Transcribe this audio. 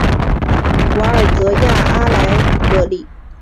瓦尔泽亚阿莱格里是巴西塞阿拉州的一个市镇。